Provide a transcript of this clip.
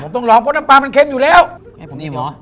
ผมต้องลองเพราะน้ำปลามันเค็มอยู่แล้วให้ผมอิ่มเหรอ